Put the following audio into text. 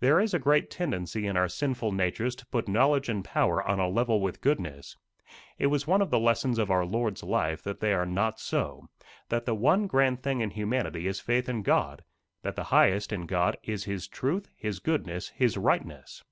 There is a great tendency in our sinful natures to put knowledge and power on a level with goodness. It was one of the lessons of our Lord's life that they are not so; that the one grand thing in humanity is faith in God; that the highest in God is his truth, his goodness, his rightness.